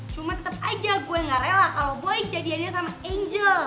cuma tetep aja gue gak rela kalo boy jadi jadi sama angel